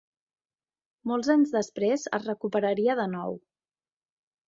Molts anys després es recuperaria de nou.